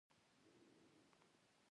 ښه بیټسمېن توپ سم ویني.